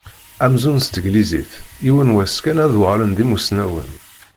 Amzun s teglizit, yiwen wass kan ad uɣalen d imusnawen.